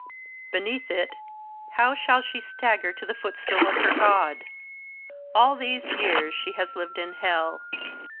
Beneath it, how shall she stagger to the footstool of her God? All these years she has lived in hell.